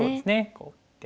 こう打って。